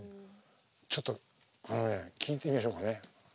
ちょっと聴いてみましょうかね。